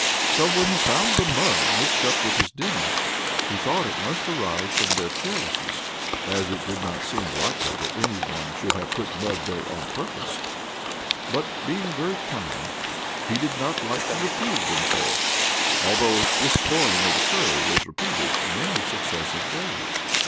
So, when he found the mud mixed up with his dinner, he thought it must arise from their carelessness, as it did not seem likely that any one should have put mud there on purpose; but being very kind he did not like to reprove them for it, although this spoiling of the curry was repeated many successive days.